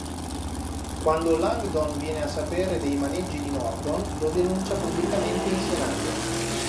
Quando Langdon viene a sapere dei maneggi di Norton, lo denuncia pubblicamente in Senato.